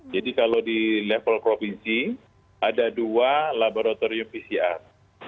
jadi kalau di level provinsi ada dua laboratorium pcr